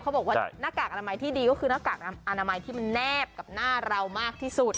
บอกว่าหน้ากากอนามัยที่ดีก็คือหน้ากากอนามัยที่มันแนบกับหน้าเรามากที่สุด